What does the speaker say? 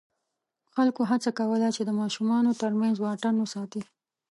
خلکو هڅه کوله چې د ماشومانو تر منځ واټن وساتي.